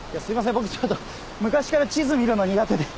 僕ちょっと昔から地図見るの苦手で。